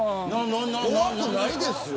怖くないですよ。